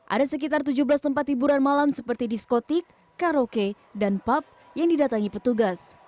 ada sekitar tujuh belas tempat hiburan malam seperti diskotik karaoke dan pub yang didatangi petugas